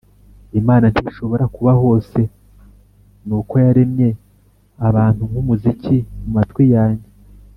imana ntishobora kuba hose nuko yaremye abantunkumuziki mumatwi yanjye